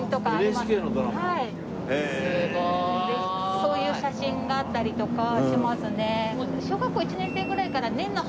そういう写真があったりとかしますね。